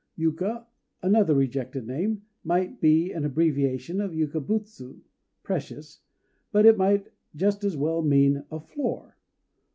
Yuka, another rejected name, might be an abbreviation of Yukabutsu, "precious"; but it might just as well mean "a floor."